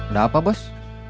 udah apa bos